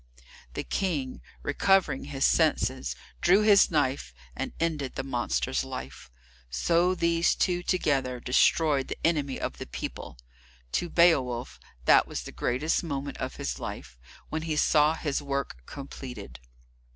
The King, recovering his senses, drew his knife and ended the monster's life. So these two together destroyed the enemy of the people. To Beowulf that was the greatest moment of his life, when he saw his work completed.